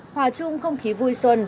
hòa chung không khí vui xuân